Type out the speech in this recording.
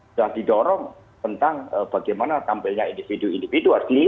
sudah didorong tentang bagaimana tampilnya individu individu harus dilihat